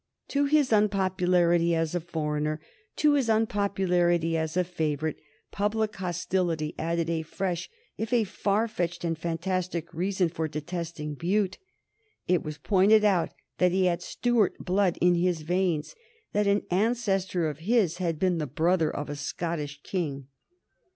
To his unpopularity as a foreigner, to his unpopularity as a favorite, public hostility added a fresh, if a far fetched and fantastic reason for detesting Bute. It was pointed out that he had Stuart blood in his veins, that an ancestor of his had been the brother of a Scottish King.